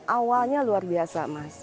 awalnya luar biasa mas